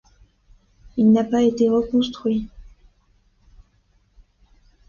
Il n'a pas été reconstruit.